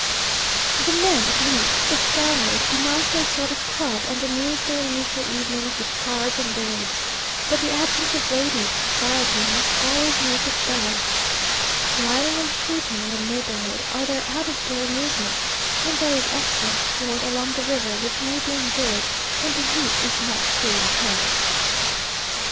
The men, at least the Spaniards, unite in a sort of club, and amuse their leisure evenings with cards and billiards; but the absence of ladies' society must always make it dull. Riding and shooting in the neighbourhood are their out of door amusements, and there is excellent sport along the river, which may be enjoyed when the heat is not too intense.